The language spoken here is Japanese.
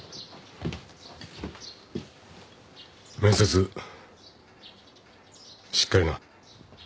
面接しっかりな。